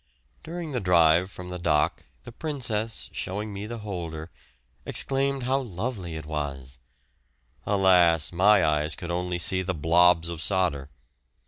During the drive from the dock the Princess, showing me the holder, exclaimed how lovely it was; alas! my eyes could only see the "blobs" of solder!